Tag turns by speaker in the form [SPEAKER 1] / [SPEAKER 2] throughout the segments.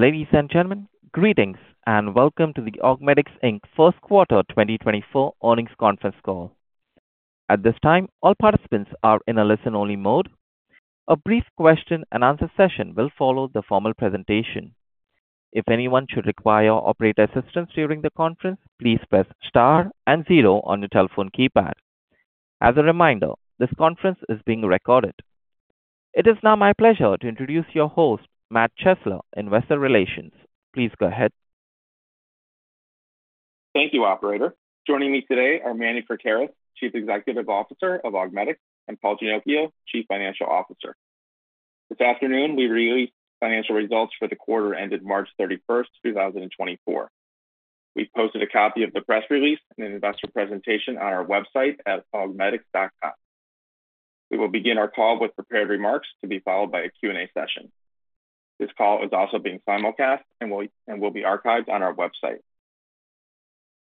[SPEAKER 1] Ladies and gentlemen, greetings and welcome to the Augmedix Incorporation First Quarter 2024 Earnings Conference call. At this time, all participants are in a listen-only mode. A brief Q&A session will follow the formal presentation. If anyone should require operator assistance during the conference, please press star and zero on your telephone keypad. As a reminder, this conference is being recorded. It is now my pleasure to introduce your host, Matt Chesler, Investor Relations. Please go ahead.
[SPEAKER 2] Thank you, operator. Joining me today are Manny Krakaris, Chief Executive Officer of Augmedix, and Paul Ginocchio, Chief Financial Officer. This afternoon we released financial results for the quarter ended March 31, 2024. We've posted a copy of the press release and an investor presentation on our website at augmedix.com. We will begin our call with prepared remarks to be followed by a Q&A session. This call is also being simulcast and will be archived on our website.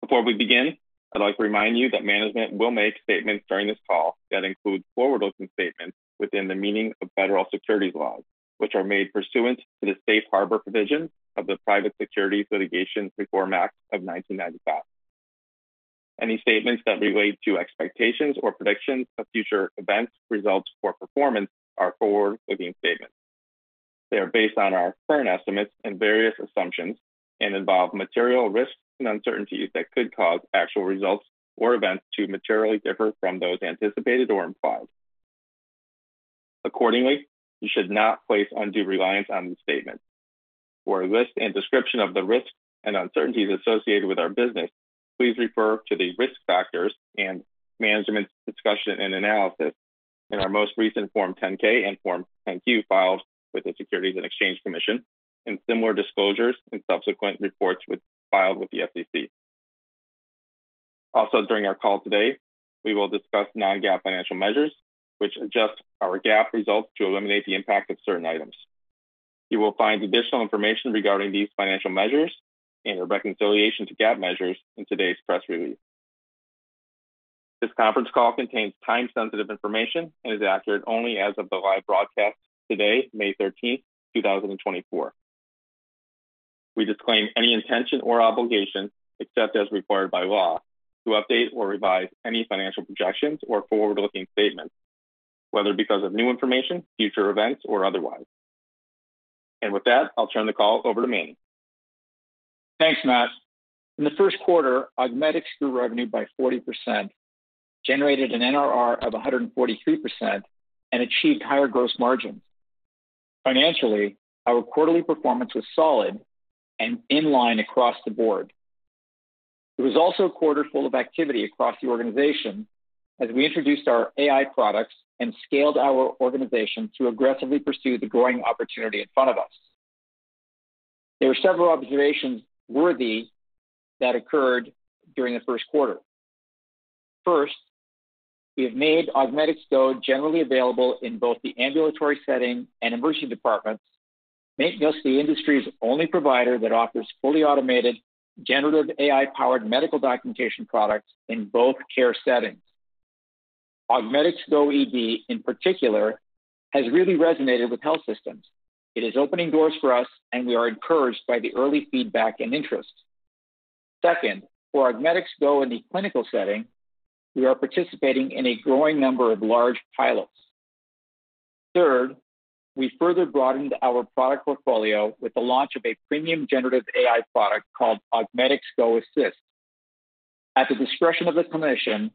[SPEAKER 2] Before we begin, I'd like to remind you that management will make statements during this call that include forward-looking statements within the meaning of federal securities laws, which are made pursuant to the Safe Harbor provisions of the Private Securities Litigation Reform Act of 1995. Any statements that relate to expectations or predictions of future events, results, or performance are forward-looking statements. They are based on our current estimates and various assumptions and involve material risks and uncertainties that could cause actual results or events to materially differ from those anticipated or implied. Accordingly, you should not place undue reliance on these statements. For a list and description of the risks and uncertainties associated with our business, please refer to the Risk Factors and Management Discussion and Analysis in our most recent Form 10-K and Form 10-Q filed with the Securities and Exchange Commission, and similar disclosures and subsequent reports filed with the SEC. Also, during our call today, we will discuss non-GAAP financial measures, which adjust our GAAP results to eliminate the impact of certain items. You will find additional information regarding these financial measures and a reconciliation to GAAP measures in today's press release. This conference call contains time-sensitive information and is accurate only as of the live broadcast today, 13 May 2024. We disclaim any intention or obligation, except as required by law, to update or revise any financial projections or forward-looking statements, whether because of new information, future events, or otherwise. With that, I'll turn the call over to Manny.
[SPEAKER 3] Thanks, Matt. In the first quarter, Augmedix grew revenue by 40%, generated an NRR of 143%, and achieved higher gross margins. Financially, our quarterly performance was solid and in line across the board. It was also a quarter full of activity across the organization as we introduced our AI products and scaled our organization to aggressively pursue the growing opportunity in front of us. There were several noteworthy observations that occurred during the first quarter. First, we have made Augmedix Go generally available in both the ambulatory setting and emergency departments, making us the industry's only provider that offers fully automated, generative AI-powered medical documentation products in both care settings. Augmedix Go ED, in particular, has really resonated with health systems. It is opening doors for us, and we are encouraged by the early feedback and interest. Second, for Augmedix Go in the clinical setting, we are participating in a growing number of large pilots. Third, we further broadened our product portfolio with the launch of a premium generative AI product called Augmedix Go Assist. At the discretion of the clinician,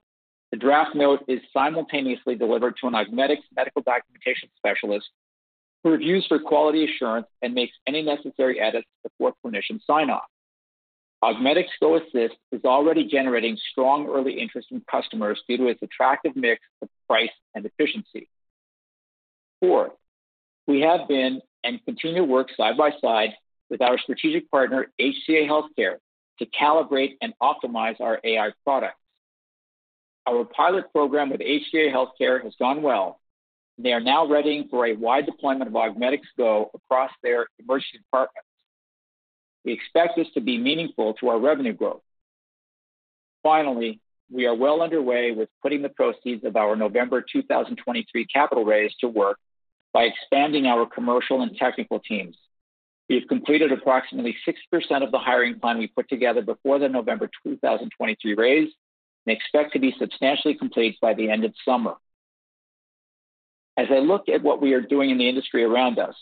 [SPEAKER 3] the draft note is simultaneously delivered to an Augmedix medical documentation specialist who reviews for quality assurance and makes any necessary edits before clinician sign-off. Augmedix Go Assist is already generating strong early interest in customers due to its attractive mix of price and efficiency. Fourth, we have been and continue to work side by side with our strategic partner, HCA Healthcare, to calibrate and optimize our AI products. Our pilot program with HCA Healthcare has gone well, and they are now readying for a wide deployment of Augmedix Go across their emergency departments. We expect this to be meaningful to our revenue growth. Finally, we are well underway with putting the proceeds of our November 2023 capital raise to work by expanding our commercial and technical teams. We have completed approximately 60% of the hiring plan we put together before the November 2023 raise and expect to be substantially complete by the end of summer. As I look at what we are doing in the industry around us,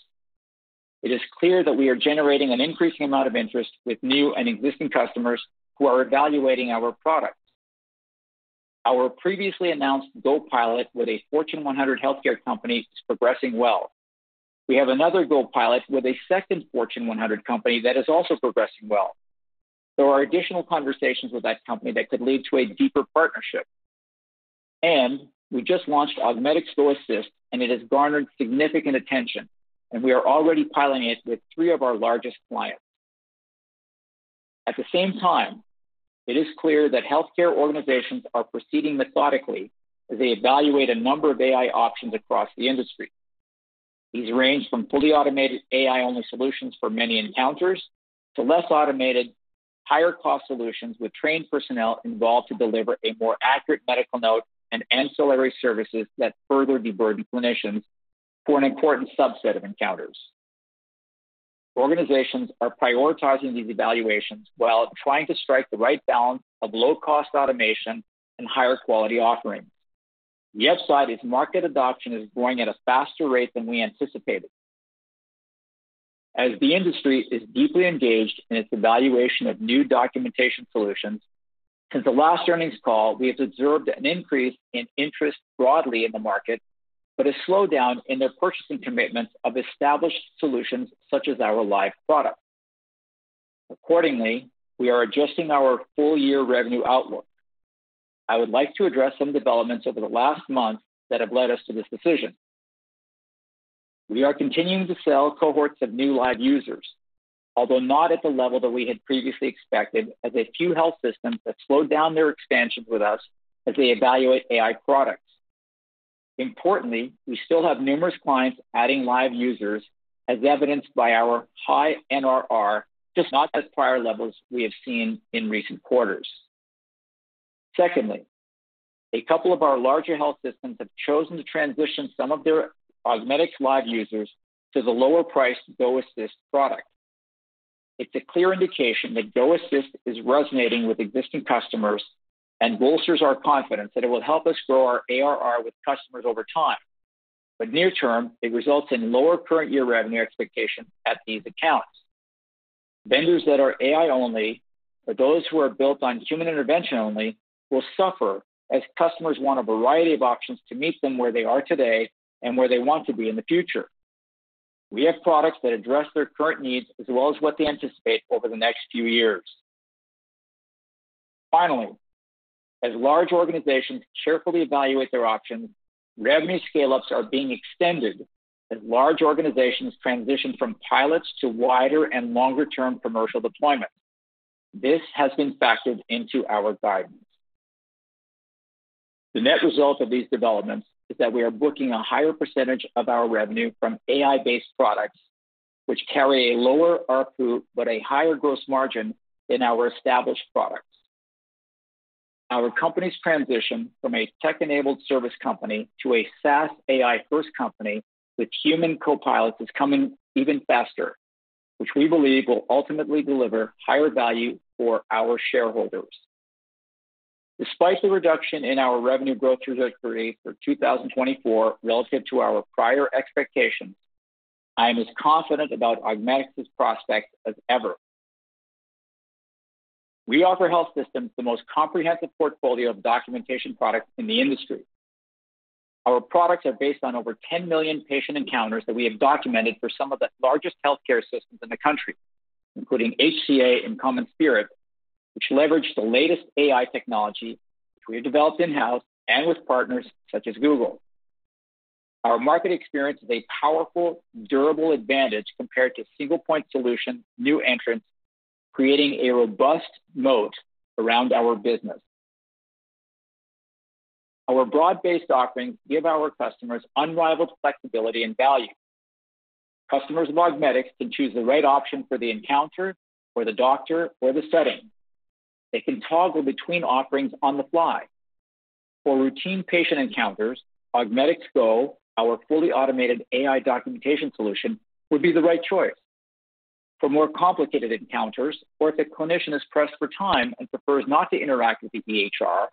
[SPEAKER 3] it is clear that we are generating an increasing amount of interest with new and existing customers who are evaluating our products. Our previously announced Go pilot with a Fortune 100 healthcare company is progressing well. We have another Go pilot with a second Fortune 100 company that is also progressing well. There are additional conversations with that company that could lead to a deeper partnership. We just launched Augmedix Go Assist, and it has garnered significant attention, and we are already piloting it with three of our largest clients. At the same time, it is clear that healthcare organizations are proceeding methodically as they evaluate a number of AI options across the industry. These range from fully automated AI-only solutions for many encounters to less automated, higher-cost solutions with trained personnel involved to deliver a more accurate medical note and ancillary services that further deburden clinicians for an important subset of encounters. Organizations are prioritizing these evaluations while trying to strike the right balance of low-cost automation and higher-quality offerings. The upside is market adoption is growing at a faster rate than we anticipated. As the industry is deeply engaged in its evaluation of new documentation solutions, since the last earnings call, we have observed an increase in interest broadly in the market but a slowdown in their purchasing commitments of established solutions such as our Live products. Accordingly, we are adjusting our full-year revenue outlook. I would like to address some developments over the last month that have led us to this decision. We are continuing to sell cohorts of new Live users, although not at the level that we had previously expected, as a few health systems have slowed down their expansion with us as they evaluate AI products. Importantly, we still have numerous clients adding Live users, as evidenced by our high NRR, just not at prior levels we have seen in recent quarters. Secondly, a couple of our larger health systems have chosen to transition some of their Augmedix Live users to the lower-priced Go Assist product. It's a clear indication that Go Assist is resonating with existing customers and bolsters our confidence that it will help us grow our ARR with customers over time. But near term, it results in lower current-year revenue expectations at these accounts. Vendors that are AI-only or those who are built on human intervention only will suffer as customers want a variety of options to meet them where they are today and where they want to be in the future. We have products that address their current needs as well as what they anticipate over the next few years. Finally, as large organizations carefully evaluate their options, revenue scale-ups are being extended as large organizations transition from pilots to wider and longer-term commercial deployments. This has been factored into our guidance. The net result of these developments is that we are booking a higher percentage of our revenue from AI-based products, which carry a lower ARPU but a higher gross margin than our established products. Our company's transition from a tech-enabled service company to a SaaS AI-first company with human co-pilots is coming even faster, which we believe will ultimately deliver higher value for our shareholders. Despite the reduction in our revenue growth trajectory for 2024 relative to our prior expectations, I am as confident about Augmedix's prospects as ever. We offer health systems the most comprehensive portfolio of documentation products in the industry. Our products are based on over 10 million patient encounters that we have documented for some of the largest healthcare systems in the country, including HCA and CommonSpirit, which leverage the latest AI technology, which we have developed in-house and with partners such as Google. Our market experience is a powerful, durable advantage compared to single-point solution new entrants, creating a robust moat around our business. Our broad-based offerings give our customers unrivaled flexibility and value. Customers of Augmedix can choose the right option for the encounter or the doctor or the setting. They can toggle between offerings on the fly. For routine patient encounters, Augmedix Go, our fully automated AI documentation solution, would be the right choice. For more complicated encounters or if a clinician is pressed for time and prefers not to interact with the EHR,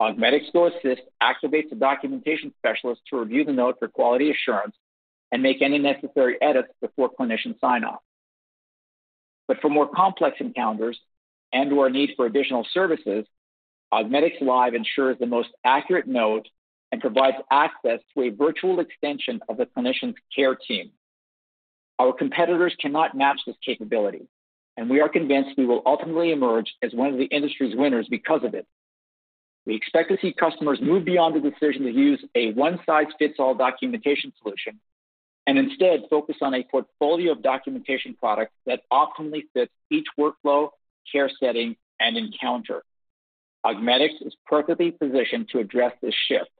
[SPEAKER 3] Augmedix Go Assist activates a documentation specialist to review the note for quality assurance and make any necessary edits before clinician sign-off. But for more complex encounters and/or need for additional services, Augmedix Live ensures the most accurate note and provides access to a virtual extension of the clinician's care team. Our competitors cannot match this capability, and we are convinced we will ultimately emerge as one of the industry's winners because of it. We expect to see customers move beyond the decision to use a one-size-fits-all documentation solution and instead focus on a portfolio of documentation products that optimally fits each workflow, care setting, and encounter. Augmedix is perfectly positioned to address this shift.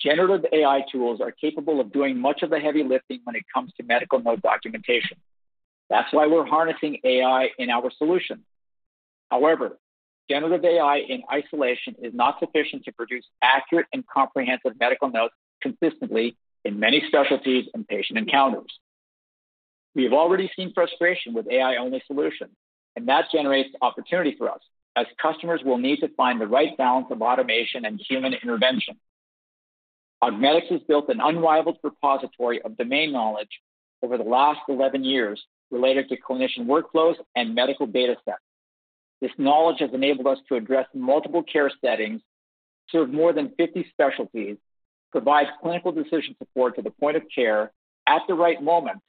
[SPEAKER 3] Generative AI tools are capable of doing much of the heavy lifting when it comes to medical note documentation. That's why we're harnessing AI in our solutions. However, generative AI in isolation is not sufficient to produce accurate and comprehensive medical notes consistently in many specialties and patient encounters. We have already seen frustration with AI-only solutions, and that generates opportunity for us as customers will need to find the right balance of automation and human intervention. Augmedix has built an unrivaled repository of domain knowledge over the last 11 years related to clinician workflows and medical data sets. This knowledge has enabled us to address multiple care settings, serve more than 50 specialties, provide clinical decision support to the point of care at the right moment,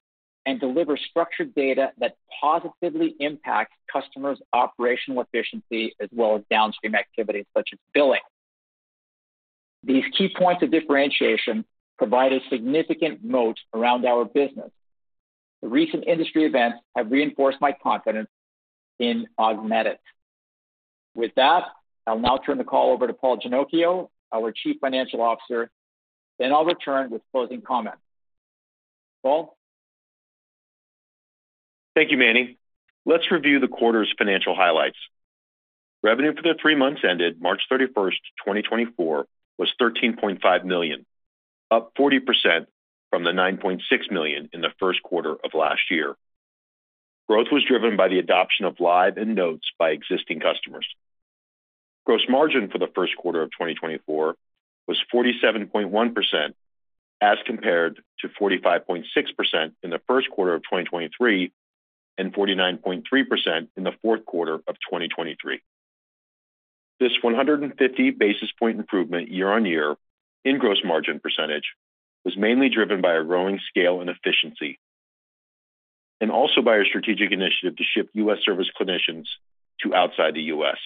[SPEAKER 3] and deliver structured data that positively impacts customers' operational efficiency as well as downstream activities such as billing. These key points of differentiation provide a significant moat around our business. The recent industry events have reinforced my confidence in Augmedix. With that, I'll now turn the call over to Paul Ginocchio, our Chief Financial Officer, then I'll return with closing comments. Paul?
[SPEAKER 4] Thank you, Manny. Let's review the quarter's financial highlights. Revenue for the three months ended March 31, 2024, was $13.5 million, up 40% from the $9.6 million in the first quarter of last year. Growth was driven by the adoption of Live and Notes by existing customers. Gross margin for the first quarter of 2024 was 47.1% as compared to 45.6% in the first quarter of 2023 and 49.3% in the fourth quarter of 2023. This 150 basis points improvement year-on-year in gross margin percentage was mainly driven by a growing scale and efficiency, and also by our strategic initiative to shift U.S. service clinicians to outside the U.S.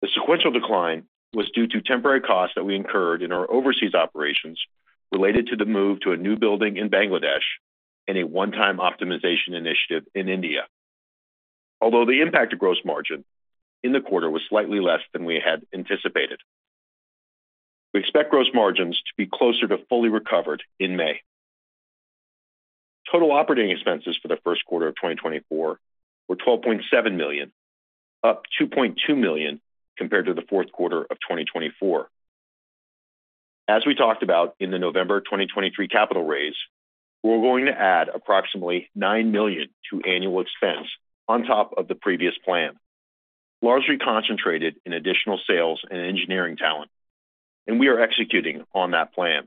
[SPEAKER 4] The sequential decline was due to temporary costs that we incurred in our overseas operations related to the move to a new building in Bangladesh and a one-time optimization initiative in India. Although the impact of gross margin in the quarter was slightly less than we had anticipated, we expect gross margins to be closer to fully recovered in May. Total operating expenses for the first quarter of 2024 were $12.7 million, up $2.2 million compared to the fourth quarter of 2024. As we talked about in the November 2023 capital raise, we're going to add approximately $9 million to annual expense on top of the previous plan, largely concentrated in additional sales and engineering talent, and we are executing on that plan.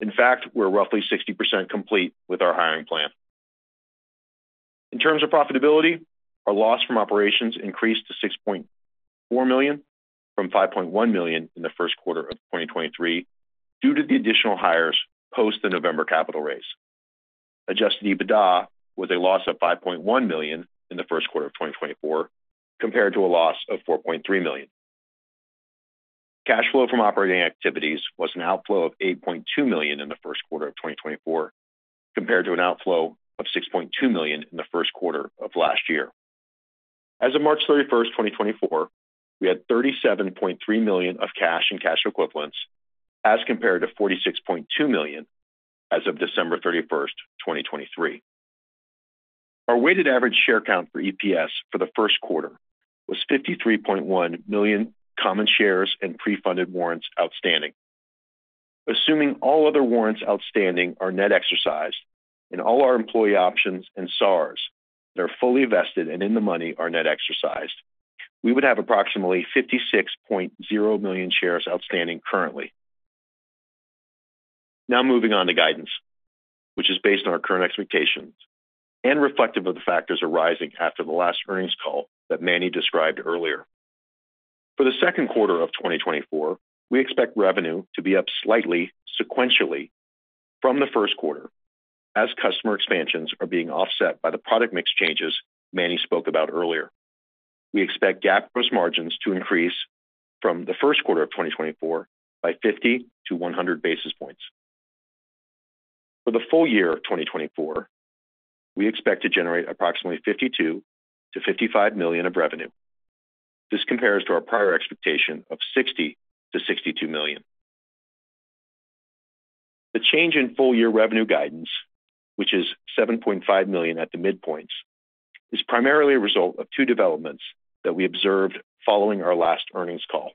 [SPEAKER 4] In fact, we're roughly 60% complete with our hiring plan. In terms of profitability, our loss from operations increased to $6.4 million from $5.1 million in the first quarter of 2023 due to the additional hires post the November capital raise. Adjusted EBITDA was a loss of $5.1 million in the first quarter of 2024 compared to a loss of $4.3 million. Cash flow from operating activities was an outflow of $8.2 million in the first quarter of 2024 compared to an outflow of $6.2 million in the first quarter of last year. As of March 31, 2024, we had $37.3 million of cash and cash equivalents as compared to $46.2 million as of December 31, 2023. Our weighted average share count for EPS for the first quarter was 53.1 million common shares and pre-funded warrants outstanding. Assuming all other warrants outstanding are net exercised and all our employee options and SARs that are fully vested and in the money are net exercised, we would have approximately 56.0 million shares outstanding currently. Now moving on to guidance, which is based on our current expectations and reflective of the factors arising after the last earnings call that Manny described earlier. For the second quarter of 2024, we expect revenue to be up slightly sequentially from the first quarter as customer expansions are being offset by the product mix changes Manny spoke about earlier. We expect GAAP gross margins to increase from the first quarter of 2024 by 50-100 basis points. For the full year of 2024, we expect to generate approximately $52 million-$55 million of revenue. This compares to our prior expectation of $60 million-$62 million. The change in full-year revenue guidance, which is $7.5 million at the midpoints, is primarily a result of two developments that we observed following our last earnings call: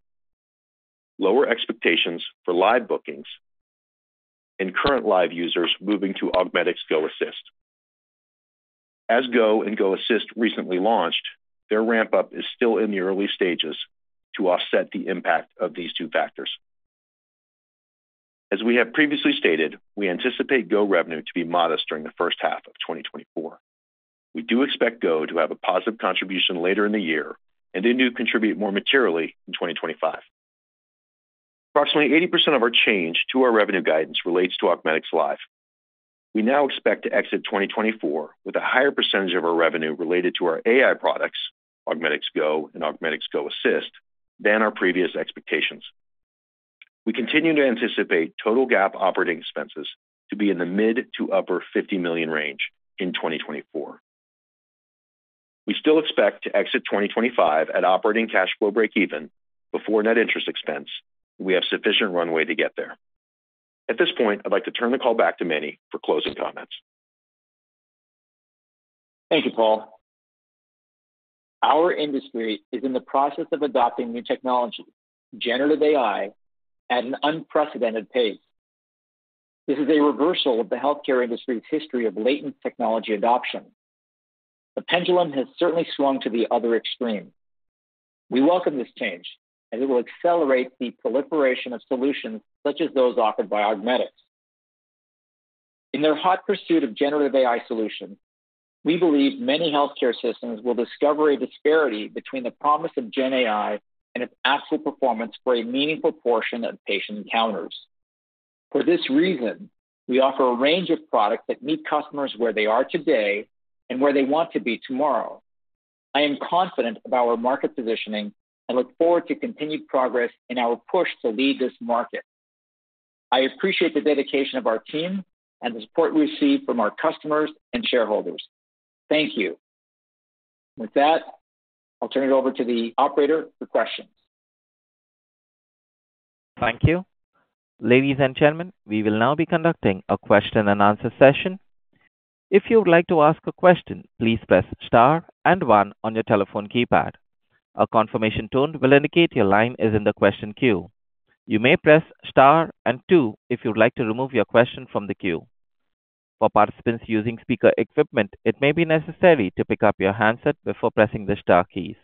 [SPEAKER 4] lower expectations for Live bookings and current Live users moving to Augmedix Go Assist. As Go and Go Assist recently launched, their ramp-up is still in the early stages to offset the impact of these two factors. As we have previously stated, we anticipate Go revenue to be modest during the first half of 2024. We do expect Go to have a positive contribution later in the year and to contribute more materially in 2025. Approximately 80% of our change to our revenue guidance relates to Augmedix Live. We now expect to exit 2024 with a higher percentage of our revenue related to our AI products, Augmedix Go and Augmedix Go Assist, than our previous expectations. We continue to anticipate total GAAP operating expenses to be in the mid- to upper-$50 million range in 2024. We still expect to exit 2025 at operating cash flow break-even before net interest expense, and we have sufficient runway to get there. At this point, I'd like to turn the call back to Manny for closing comments.
[SPEAKER 3] Thank you, Paul. Our industry is in the process of adopting new technology, generative AI, at an unprecedented pace. This is a reversal of the healthcare industry's history of latent technology adoption. The pendulum has certainly swung to the other extreme. We welcome this change, as it will accelerate the proliferation of solutions such as those offered by Augmedix. In their hot pursuit of generative AI solutions, we believe many healthcare systems will discover a disparity between the promise of GenAI and its actual performance for a meaningful portion of patient encounters. For this reason, we offer a range of products that meet customers where they are today and where they want to be tomorrow. I am confident about our market positioning and look forward to continued progress in our push to lead this market. I appreciate the dedication of our team and the support we receive from our customers and shareholders. Thank you. With that, I'll turn it over to the operator for questions.
[SPEAKER 1] Thank you. Ladies and gentlemen, we will now be conducting a Q&A session. If you would like to ask a question, please press star and one on your telephone keypad. A confirmation tone will indicate your line is in the question queue. You may press star and two if you would like to remove your question from the queue. For participants using speaker equipment, it may be necessary to pick up your handset before pressing the star keys.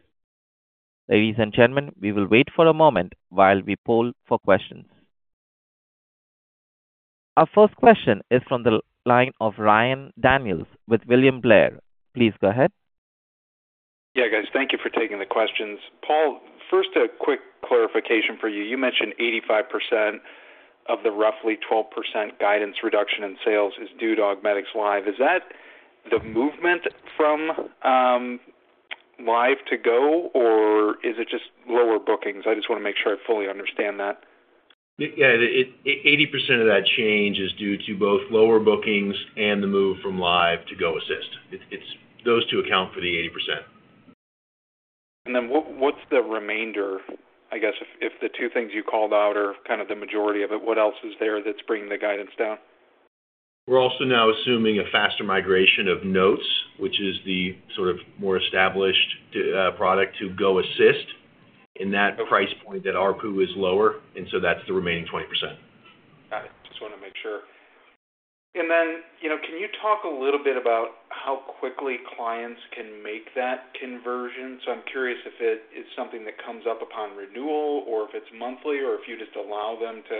[SPEAKER 1] Ladies and gentlemen, we will wait for a moment while we poll for questions. Our first question is from the line of Ryan Daniels with William Blair. Please go ahead.
[SPEAKER 5] Yeah, guys. Thank you for taking the questions. Paul, first a quick clarification for you. You mentioned 85% of the roughly 12% guidance reduction in sales is due to Augmedix Live. Is that the movement from Live to Go, or is it just lower bookings? I just want to make sure I fully understand that.
[SPEAKER 4] Yeah, 80% of that change is due to both lower bookings and the move from Live to Go Assist. Those two account for the 80%.
[SPEAKER 5] And then what's the remainder, I guess, if the two things you called out are kind of the majority of it, what else is there that's bringing the guidance down?
[SPEAKER 4] We're also now assuming a faster migration of Notes, which is the sort of more established product to Go Assist in that price point that ARPU is lower, and so that's the remaining 20%.
[SPEAKER 5] Got it. Just want to make sure. And then can you talk a little bit about how quickly clients can make that conversion? So I'm curious if it is something that comes up upon renewal or if it's monthly or if you just allow them to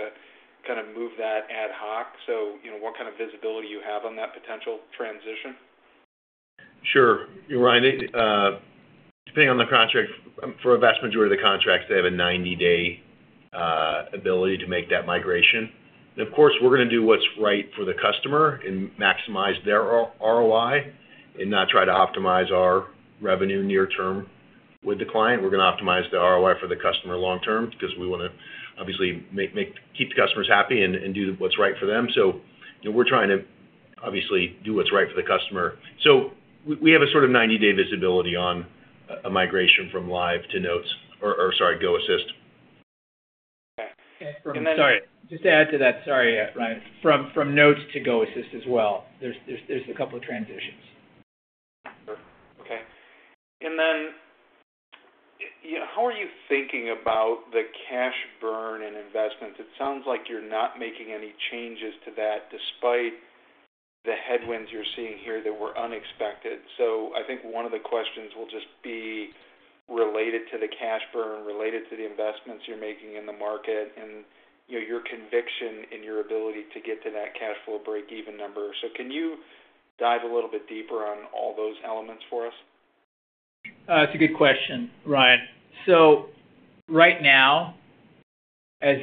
[SPEAKER 5] kind of move that ad hoc. So what kind of visibility do you have on that potential transition?
[SPEAKER 4] Sure. Ryan, depending on the contract, for the vast majority of the contracts, they have a 90-day ability to make that migration. Of course, we're going to do what's right for the customer and maximize their ROI and not try to optimize our revenue near-term with the client. We're going to optimize the ROI for the customer long-term because we want to obviously keep the customers happy and do what's right for them. We're trying to obviously do what's right for the customer. We have a sort of 90-day visibility on a migration from Live to Notes or, sorry, Go Assist.
[SPEAKER 3] And then.
[SPEAKER 5] Sorry.
[SPEAKER 3] Just to add to that, sorry, Ryan, from Notes to Go Assist as well. There's a couple of transitions.
[SPEAKER 5] Okay. And then how are you thinking about the cash burn and investments? It sounds like you're not making any changes to that despite the headwinds you're seeing here that were unexpected. So I think one of the questions will just be related to the cash burn, related to the investments you're making in the market, and your conviction in your ability to get to that cash flow break-even number. So can you dive a little bit deeper on all those elements for us?
[SPEAKER 3] That's a good question, Ryan. So right now, as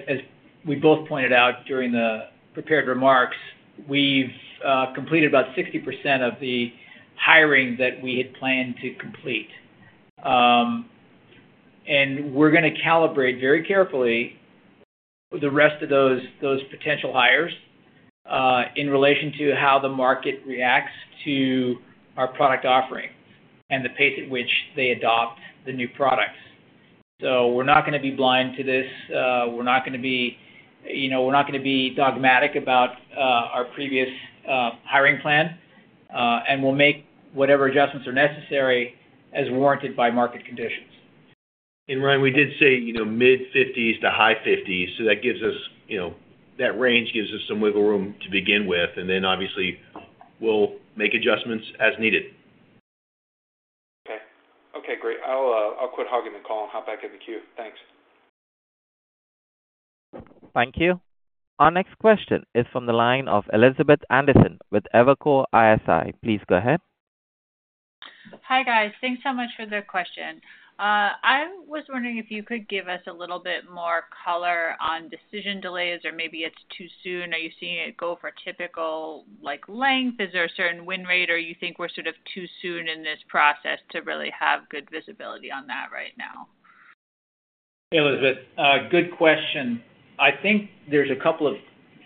[SPEAKER 3] we both pointed out during the prepared remarks, we've completed about 60% of the hiring that we had planned to complete. We're going to calibrate very carefully the rest of those potential hires in relation to how the market reacts to our product offering and the pace at which they adopt the new products. We're not going to be blind to this. We're not going to be dogmatic about our previous hiring plan, and we'll make whatever adjustments are necessary as warranted by market conditions.
[SPEAKER 4] Ryan, we did say mid-50s to high-50s, so that gives us that range gives us some wiggle room to begin with, and then obviously, we'll make adjustments as needed.
[SPEAKER 5] Okay. Okay, great. I'll quit hogging the call and hop back in the queue. Thanks.
[SPEAKER 1] Thank you. Our next question is from the line of Elizabeth Anderson with Evercore ISI. Please go ahead.
[SPEAKER 6] Hi, guys. Thanks so much for the question. I was wondering if you could give us a little bit more color on decision delays or maybe it's too soon. Are you seeing it go for typical length? Is there a certain win rate or you think we're sort of too soon in this process to really have good visibility on that right now?
[SPEAKER 3] Elizabeth, good question. I think there's a couple of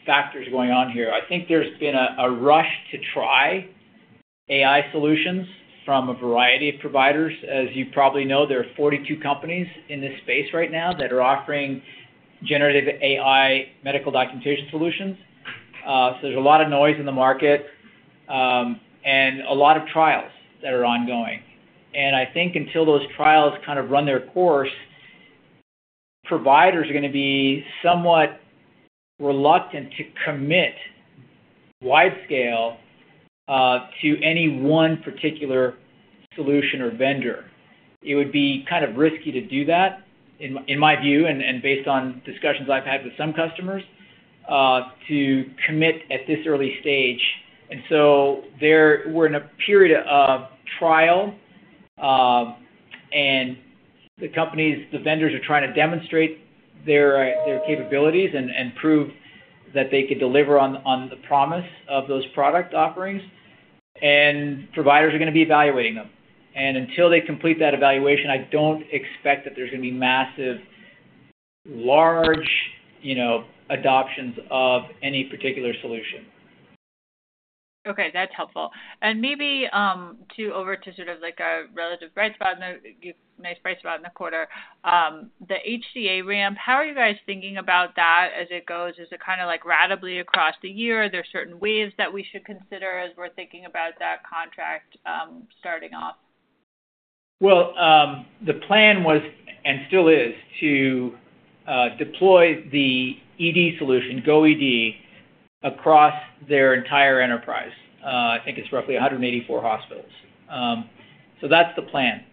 [SPEAKER 3] factors going on here. I think there's been a rush to try AI solutions from a variety of providers. As you probably know, there are 42 companies in this space right now that are offering generative AI medical documentation solutions. So there's a lot of noise in the market and a lot of trials that are ongoing. And I think until those trials kind of run their course, providers are going to be somewhat reluctant to commit widescale to any one particular solution or vendor. It would be kind of risky to do that, in my view, and based on discussions I've had with some customers, to commit at this early stage. And so we're in a period of trial, and the companies, the vendors are trying to demonstrate their capabilities and prove that they could deliver on the promise of those product offerings, and providers are going to be evaluating them. Until they complete that evaluation, I don't expect that there's going to be massive, large adoptions of any particular solution.
[SPEAKER 6] Okay. That's helpful. And maybe over to sort of a relative bright spot in the nice bright spot in the quarter, the HCA ramp, how are you guys thinking about that as it goes? Is it kind of ratably across the year? Are there certain waves that we should consider as we're thinking about that contract starting off?
[SPEAKER 3] Well, the plan was and still is to deploy the ED solution, Go ED, across their entire enterprise. I think it's roughly 184 hospitals. So that's the plan.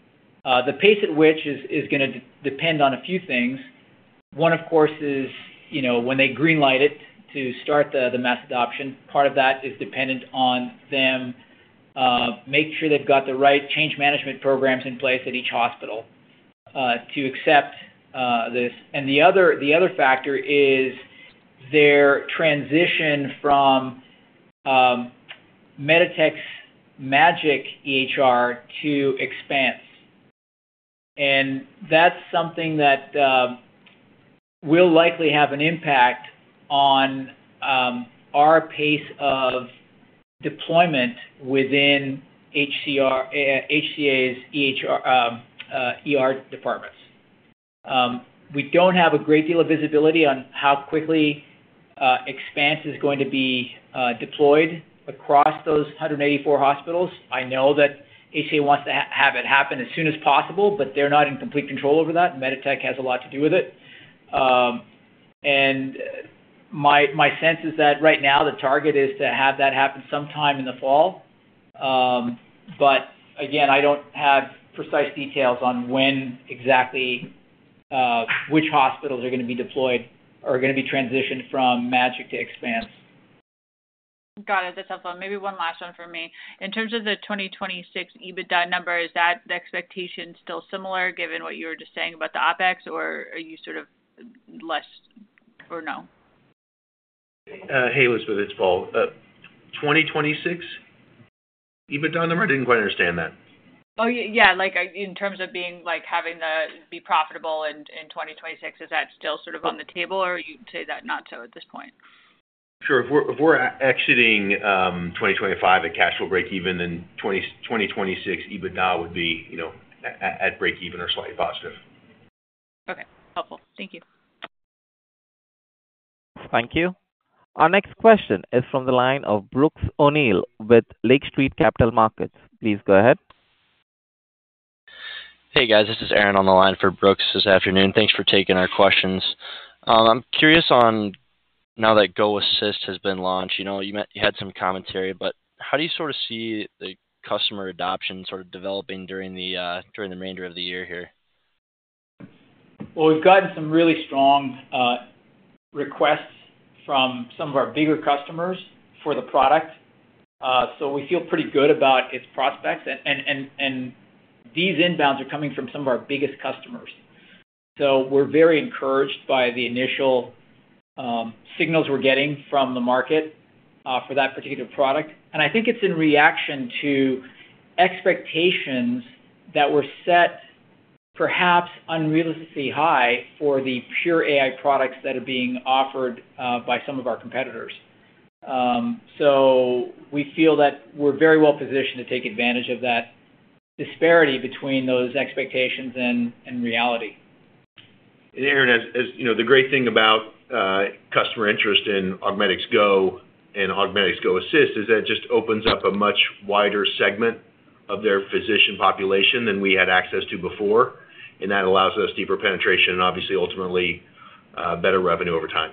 [SPEAKER 3] The pace at which is going to depend on a few things. One, of course, is when they greenlight it to start the mass adoption. Part of that is dependent on them make sure they've got the right change management programs in place at each hospital to accept this. And the other factor is their transition from MEDITECH's Magic EHR to Expanse. And that's something that will likely have an impact on our pace of deployment within HCA's departments. We don't have a great deal of visibility on how quickly Expanse is going to be deployed across those 184 hospitals. I know that HCA wants to have it happen as soon as possible, but they're not in complete control over that. MEDITECH has a lot to do with it. And my sense is that right now, the target is to have that happen sometime in the fall. But again, I don't have precise details on when exactly which hospitals are going to be deployed or are going to be transitioned from Magic to Expanse.
[SPEAKER 6] Got it. That's helpful. Maybe one last one from me. In terms of the 2026 EBITDA number, is that the expectation still similar given what you were just saying about the OpEx, or are you sort of less or no?
[SPEAKER 4] Hey, Elizabeth. It's Paul. 2026 EBITDA number? I didn't quite understand that.
[SPEAKER 6] Oh, yeah. In terms of having to be profitable in 2026, is that still sort of on the table, or you'd say that not so at this point?
[SPEAKER 4] Sure. If we're exiting 2025 at cash flow break-even, then 2026 EBITDA would be at break-even or slightly positive.
[SPEAKER 6] Okay. Helpful. Thank you.
[SPEAKER 1] Thank you. Our next question is from the line of Brooks O'Neill with Lake Street Capital Markets. Please go ahead.
[SPEAKER 7] Hey, guys. This is Aaron on the line for Brooks this afternoon. Thanks for taking our questions. I'm curious on now that Go Assist has been launched, you had some commentary, but how do you sort of see the customer adoption sort of developing during the remainder of the year here?
[SPEAKER 3] Well, we've gotten some really strong requests from some of our bigger customers for the product, so we feel pretty good about its prospects. And these inbounds are coming from some of our biggest customers. So we're very encouraged by the initial signals we're getting from the market for that particular product. And I think it's in reaction to expectations that were set perhaps unrealistically high for the pure AI products that are being offered by some of our competitors. So we feel that we're very well positioned to take advantage of that disparity between those expectations and reality.
[SPEAKER 4] Aaron, the great thing about customer interest in Augmedix Go and Augmedix Go Assist is that it just opens up a much wider segment of their physician population than we had access to before, and that allows us deeper penetration and obviously, ultimately, better revenue over time.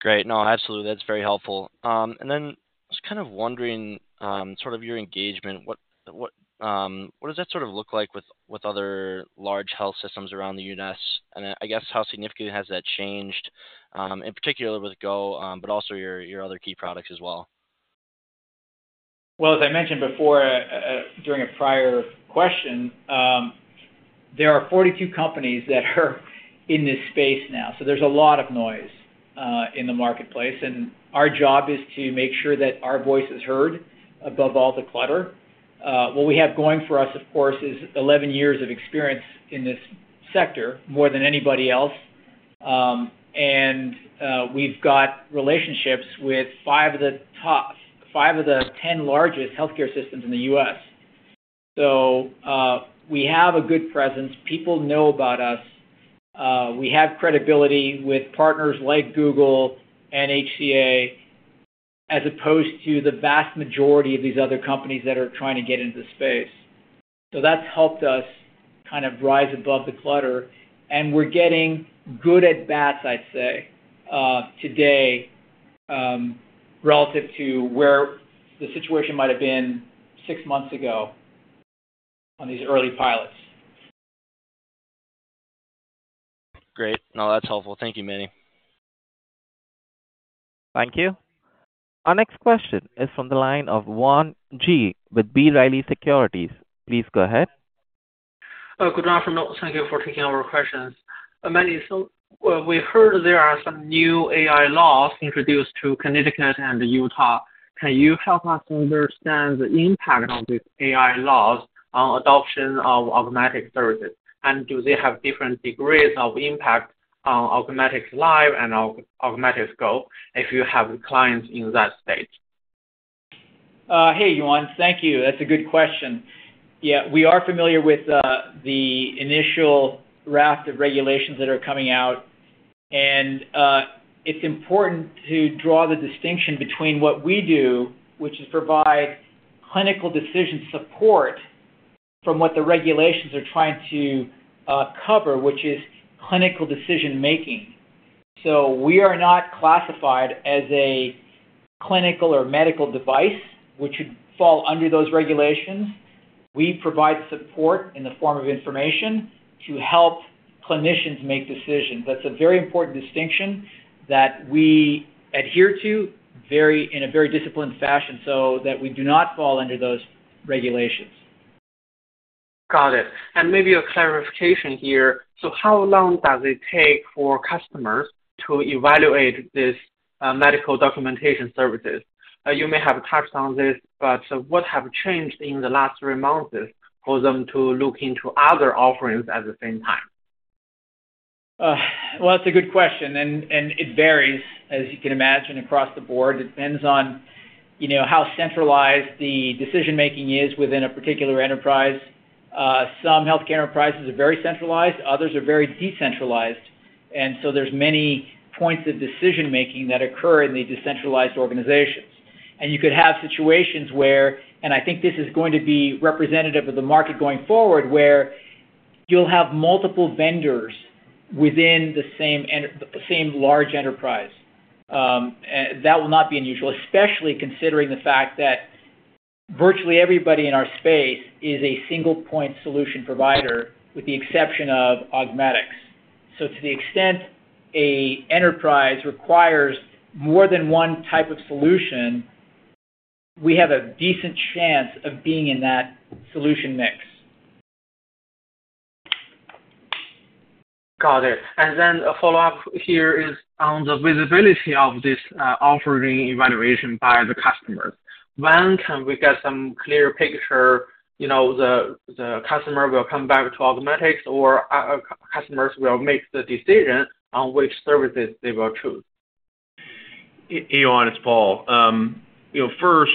[SPEAKER 8] Great. No, absolutely. That's very helpful. And then I was kind of wondering sort of your engagement. What does that sort of look like with other large health systems around the U.S.? And I guess how significantly has that changed, in particular with Go, but also your other key products as well?
[SPEAKER 3] Well, as I mentioned before during a prior question, there are 42 companies that are in this space now, so there's a lot of noise in the marketplace. Our job is to make sure that our voice is heard above all the clutter. What we have going for us, of course, is 11 years of experience in this sector more than anybody else. We've got relationships with 5 of the top 5 of the 10 largest healthcare systems in the U.S. We have a good presence. People know about us. We have credibility with partners like Google and HCA as opposed to the vast majority of these other companies that are trying to get into the space. That's helped us kind of rise above the clutter. We're getting good at bats, I'd say, today relative to where the situation might have been six months ago on these early pilots.
[SPEAKER 8] Great. No, that's helpful. Thank you, Manny.
[SPEAKER 1] Thank you. Our next question is from the line of Yuan Zhi with B. Riley Securities. Please go ahead.
[SPEAKER 9] Good afternoon. Thank you for taking all our questions. Manny, so we heard there are some new AI laws introduced to Connecticut and Utah. Can you help us understand the impact of these AI laws on adoption of Augmedix services? And do they have different degrees of impact on Augmedix Live and Augmedix Go if you have clients in that state?
[SPEAKER 3] Hey, Yuan. Thank you. That's a good question. Yeah, we are familiar with the initial draft of regulations that are coming out. It's important to draw the distinction between what we do, which is provide clinical decision support, from what the regulations are trying to cover, which is clinical decision-making. So we are not classified as a clinical or medical device, which would fall under those regulations. We provide support in the form of information to help clinicians make decisions. That's a very important distinction that we adhere to in a very disciplined fashion so that we do not fall under those regulations.
[SPEAKER 9] Got it. Maybe a clarification here. How long does it take for customers to evaluate these medical documentation services? You may have touched on this, but what have changed in the last three months for them to look into other offerings at the same time?
[SPEAKER 3] Well, that's a good question. It varies, as you can imagine, across the board. It depends on how centralized the decision-making is within a particular enterprise. Some healthcare enterprises are very centralized. Others are very decentralized. So there's many points of decision-making that occur in the decentralized organizations. You could have situations where and I think this is going to be representative of the market going forward where you'll have multiple vendors within the same large enterprise. That will not be unusual, especially considering the fact that virtually everybody in our space is a single-point solution provider with the exception of Augmedix. So to the extent a enterprise requires more than one type of solution, we have a decent chance of being in that solution mix.
[SPEAKER 9] Got it. And then a follow-up here is on the visibility of this offering evaluation by the customers. When can we get some clear picture? The customer will come back to Augmedix, or customers will make the decision on which services they will choose?
[SPEAKER 4] Hey, Yuan. It's Paul. First,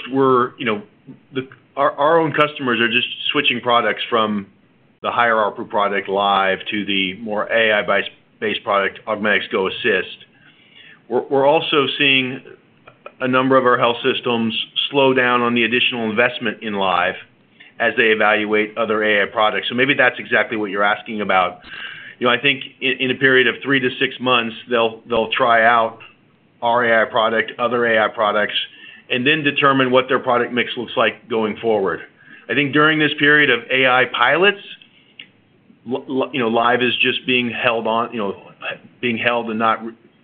[SPEAKER 4] our own customers are just switching products from the higher-up product Live to the more AI-based product, Augmedix Go Assist. We're also seeing a number of our health systems slow down on the additional investment in Live as they evaluate other AI products. So maybe that's exactly what you're asking about. I think in a period of 3-6 months, they'll try out our AI product, other AI products, and then determine what their product mix looks like going forward. I think during this period of AI pilots, Live is just being held and not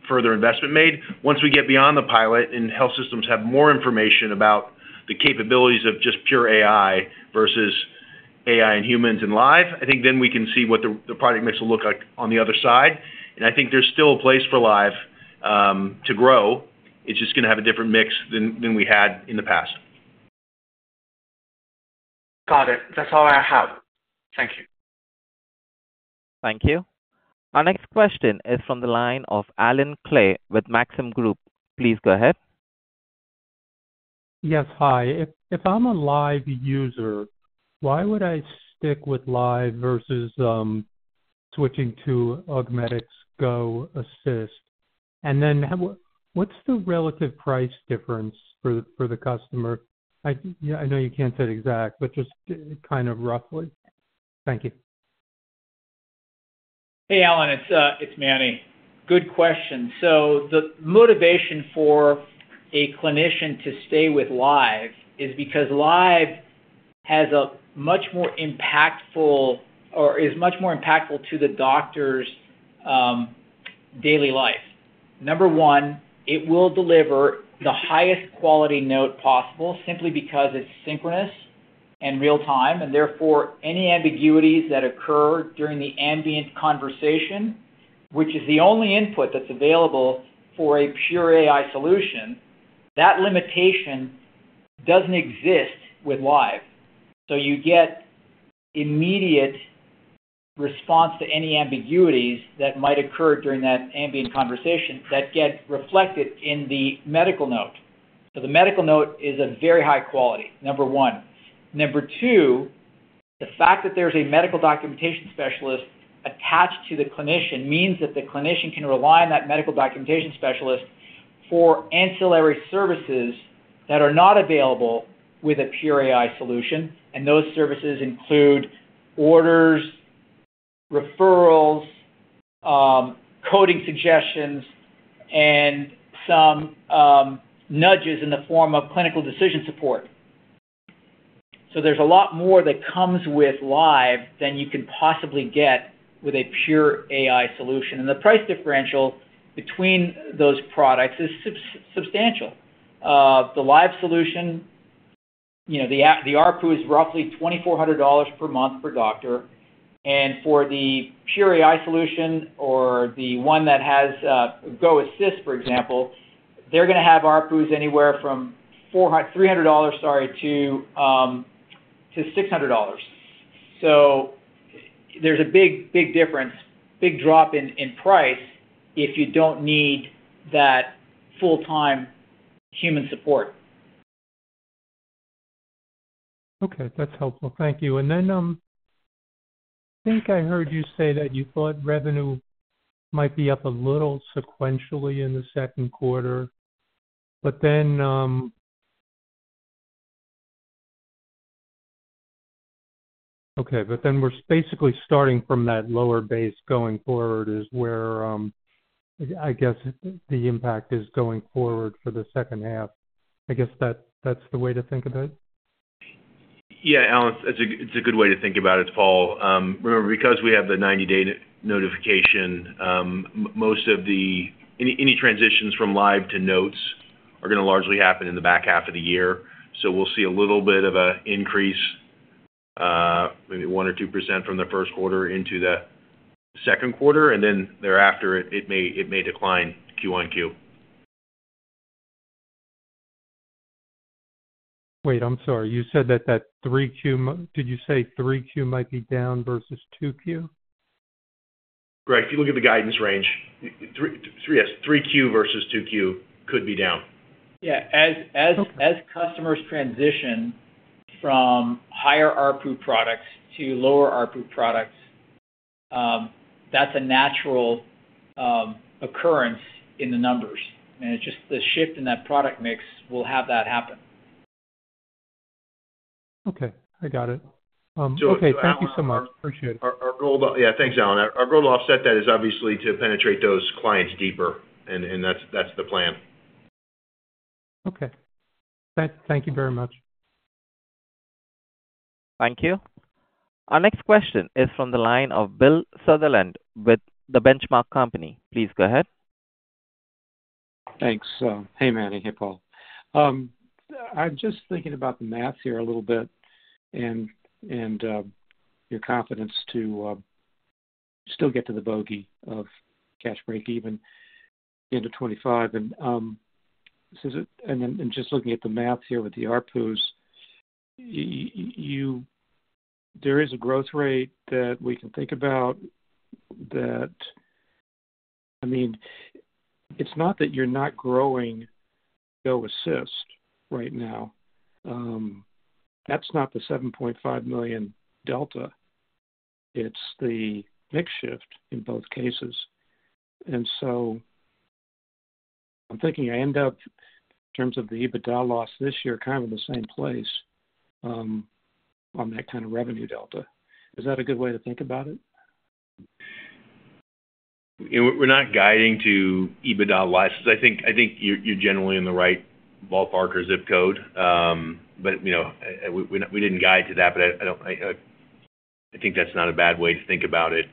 [SPEAKER 4] further investment made. Once we get beyond the pilot and health systems have more information about the capabilities of just pure AI versus AI and humans in Live, I think then we can see what the product mix will look like on the other side. I think there's still a place for Live to grow. It's just going to have a different mix than we had in the past.
[SPEAKER 9] Got it. That's all I have. Thank you.
[SPEAKER 1] Thank you. Our next question is from the line of Allen Klee with Maxim Group. Please go ahead.
[SPEAKER 10] Yes. Hi. If I'm a Live user, why would I stick with Live versus switching to Augmedix Go Assist? And then what's the relative price difference for the customer? I know you can't say it exact, but just kind of roughly. Thank you.
[SPEAKER 3] Hey, Allen. It's Manny. Good question. So the motivation for a clinician to stay with Live is because Live has a much more impactful or is much more impactful to the doctor's daily life. Number one, it will deliver the highest quality note possible simply because it's synchronous and real-time. And therefore, any ambiguities that occur during the ambient conversation, which is the only input that's available for a pure AI solution, that limitation doesn't exist with Live. So you get immediate response to any ambiguities that might occur during that ambient conversation that get reflected in the medical note. So the medical note is of very high quality, number one. Number two, the fact that there's a medical documentation specialist attached to the clinician means that the clinician can rely on that medical documentation specialist for ancillary services that are not available with a pure AI solution. Those services include orders, referrals, coding suggestions, and some nudges in the form of clinical decision support. So there's a lot more that comes with Live than you can possibly get with a pure AI solution. And the price differential between those products is substantial. The Live solution, the ARPU is roughly $2,400 per month per doctor. And for the pure AI solution or the one that has Go Assist, for example, they're going to have ARPUs anywhere from $300, sorry, to $600. So there's a big difference, big drop in price if you don't need that full-time human support.
[SPEAKER 10] Okay. That's helpful. Thank you. And then I think I heard you say that you thought revenue might be up a little sequentially in the second quarter. But then. Okay. But then we're basically starting from that lower base going forward is where, I guess, the impact is going forward for the second half. I guess that's the way to think of it.
[SPEAKER 4] Yeah, Allen. It's a good way to think about it, Paul. Remember, because we have the 90-day notification, any transitions from Live to notes are going to largely happen in the back half of the year. So we'll see a little bit of an increase, maybe 1%-2%, from the first quarter into the second quarter. And then thereafter, it may decline Q-on-Q.
[SPEAKER 10] Wait. I'm sorry. You said that that 3Q did you say 3Q might be down versus 2Q?
[SPEAKER 4] Correct. If you look at the guidance range, 3Q versus 2Q could be down.
[SPEAKER 3] Yeah. As customers transition from higher ARPU products to lower ARPU products, that's a natural occurrence in the numbers. It's just the shift in that product mix will have that happen.
[SPEAKER 10] Okay. I got it. Okay. Thank you so much. Appreciate it.
[SPEAKER 4] Yeah. Thanks, Allen. Our goal to offset that is obviously to penetrate those clients deeper, and that's the plan.
[SPEAKER 10] Okay. Thank you very much.
[SPEAKER 1] Thank you. Our next question is from the line of Bill Sutherland with The Benchmark Company. Please go ahead.
[SPEAKER 11] Thanks. Hey, Manny. Hey, Paul. I'm just thinking about the math here a little bit and your confidence to still get to the bogey of cash break even into 2025. And just looking at the math here with the ARPUs, there is a growth rate that we can think about that I mean, it's not that you're not growing Go Assist right now. That's not the $7.5 million delta. It's the mix shift in both cases. And so I'm thinking I end up, in terms of the EBITDA loss this year, kind of in the same place on that kind of revenue delta. Is that a good way to think about it?
[SPEAKER 4] We're not guiding to EBITDA losses. I think you're generally in the right ballpark or ZIP code. But we didn't guide to that. But I think that's not a bad way to think about it.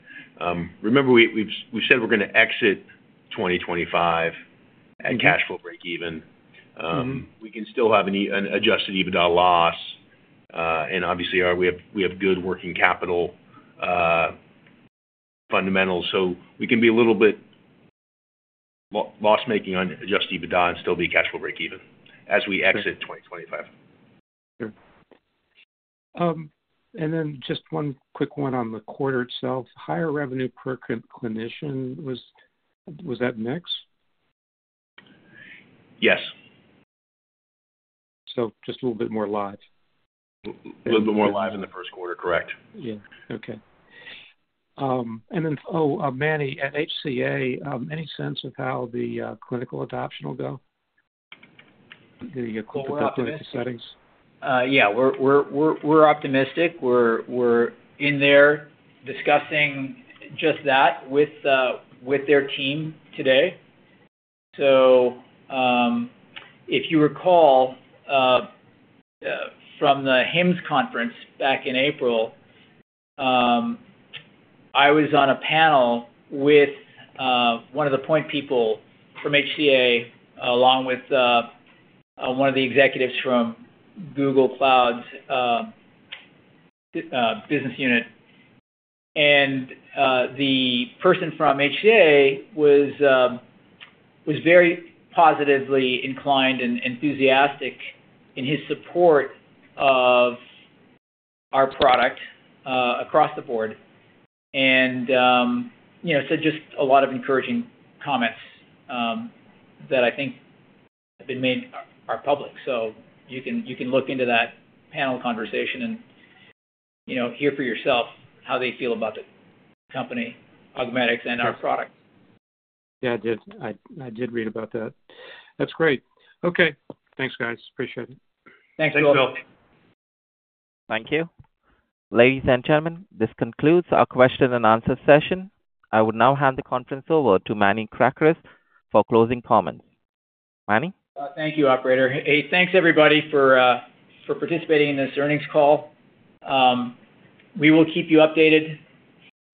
[SPEAKER 4] Remember, we said we're going to exit 2025 at cash flow break even. We can still have an Adjusted EBITDA loss. And obviously, we have good working capital fundamentals. So we can be a little bit loss-making on Adjusted EBITDA and still be cash flow break even as we exit 2025.
[SPEAKER 10] Sure. And then just one quick one on the quarter itself. Higher revenue per clinician, was that mix?
[SPEAKER 4] Yes.
[SPEAKER 10] Just a little bit more live?
[SPEAKER 4] A little bit more live in the first quarter. Correct.
[SPEAKER 11] Yeah. Okay. And then, oh, Manny, at HCA, any sense of how the clinical adoption will go, the clinical adoption settings?
[SPEAKER 3] Yeah. We're optimistic. We're in there discussing just that with their team today. So if you recall, from the HIMSS conference back in April, I was on a panel with one of the point people from HCA along with one of the executives from Google Cloud's business unit. And the person from HCA was very positively inclined and enthusiastic in his support of our product across the board and said just a lot of encouraging comments that I think have been made are public. So you can look into that panel conversation and hear for yourself how they feel about the company, Augmedix, and our product.
[SPEAKER 11] Yeah. I did. I did read about that. That's great. Okay. Thanks, guys. Appreciate it.
[SPEAKER 3] Thanks, Bill.
[SPEAKER 4] Thanks, Bill.
[SPEAKER 1] Thank you. Ladies and gentlemen, this concludes our Q&A session. I will now hand the conference over to Manny Krakaris for closing comments. Manny?
[SPEAKER 3] Thank you, operator. Hey, thanks, everybody, for participating in this earnings call. We will keep you updated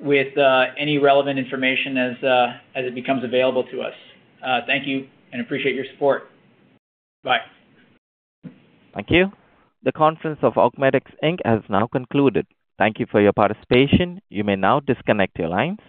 [SPEAKER 3] with any relevant information as it becomes available to us. Thank you and appreciate your support. Bye.
[SPEAKER 1] Thank you. The conference of Augmedix, Inc., has now concluded. Thank you for your participation. You may now disconnect your lines.